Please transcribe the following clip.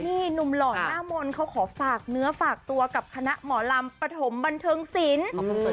นี่หนุ่มหล่อหน้ามนต์เขาขอฝากเนื้อฝากตัวกับคณะหมอลำปฐมบันเทิงศิลป์